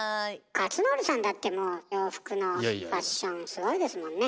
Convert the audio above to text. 克典さんだってもう洋服のファッションすごいですもんね。